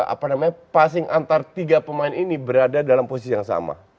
apa namanya passing antar tiga pemain ini berada dalam posisi yang sama